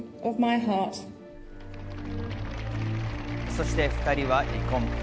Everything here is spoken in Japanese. そして２人は離婚。